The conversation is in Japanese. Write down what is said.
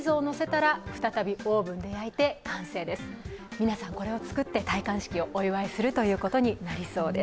皆さん、これを作って戴冠式をお祝いするということになりそうです。